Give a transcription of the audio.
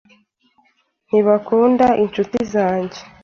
Ntibakunda inshuti zanjye.